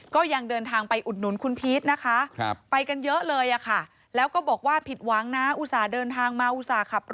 ก็ยังเดินทางไปอุดหนุนคุณพีชนะคะ